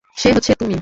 সে হচ্ছে তুমি!